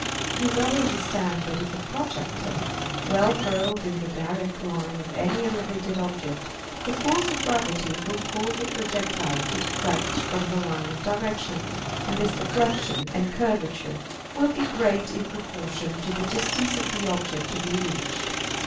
You well understand that if a projectile be hurled in the direct line of any elevated object, the force of gravity will cause the projectile to deflect from the line of direction, and this deflection and curvature will be great in proportion to the distance of the object to be reached.